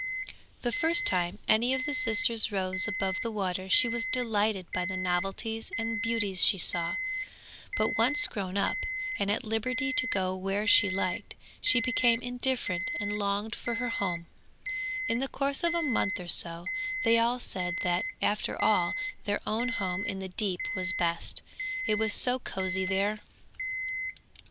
The first time any of the sisters rose above the water she was delighted by the novelties and beauties she saw; but once grown up, and at liberty to go where she liked, she became indifferent and longed for her home; in the course of a month or so they all said that after all their own home in the deep was best, it was so cosy there.